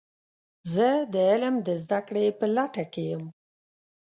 زه د علم د زده کړې په لټه کې یم.